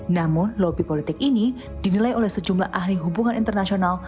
namun lobby politik ini dinilai oleh sejumlah ahli hubungan internasional